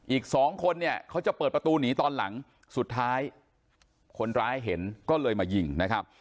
อีกสองคนเนี่ยเขาจะเปิดประตูหนีตอนหลังสุดท้ายคนร้ายเห็นก็เลยมายิงนะครับ